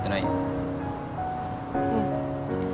うん。